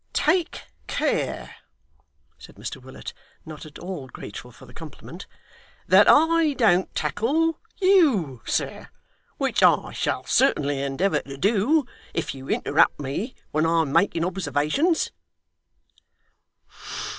'Take care,' said Mr Willet, not at all grateful for the compliment, 'that I don't tackle you, sir, which I shall certainly endeavour to do, if you interrupt me when I'm making observations.